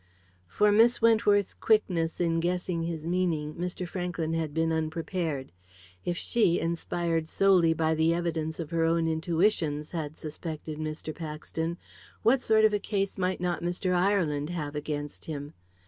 For Miss Wentworth's quickness in guessing his meaning Mr. Franklyn had been unprepared. If she, inspired solely by the evidence of her own intuitions, had suspected Mr. Paxton, what sort of a case might not Mr. Ireland have against him?